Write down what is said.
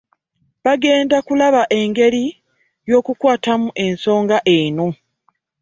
Bagenda kulaba engeri y'okukwatamu ensonga eno